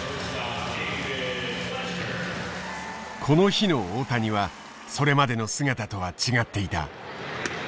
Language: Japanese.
この日の大谷はそれまでの姿とは違っていた。